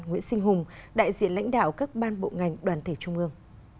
nguyễn sinh hùng đại diện lãnh đạo các ban bộ ngành đoàn thể trung ương